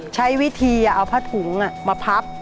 ใช้วิธีเอาผ้าถุงมาพับ